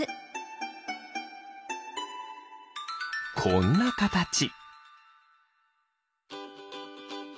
こんなかたち。